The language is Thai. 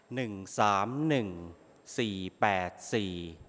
หนึ่งสามหนึ่งสี่แปดสี่